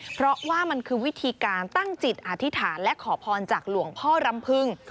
เพราะว่ามันคือวิธีการตั้งจิตอธิษฐานและขอพรจากหลวงพ่อรำพึง